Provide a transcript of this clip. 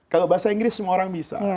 kalau bahasa inggris semua orang bisa